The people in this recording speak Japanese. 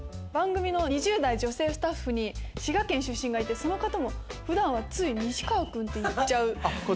番組の２０代女性スタッフに滋賀県出身がいてその方も普段はつい「西川くん」って言っちゃう。